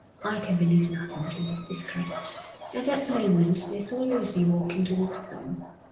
I can believe nothing to his discredit.' At that moment they saw Lucy walking towards them.